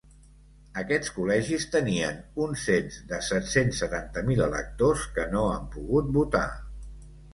Aquests col·legis tenien un cens de set-cents setanta mil electors, que no han pogut votar.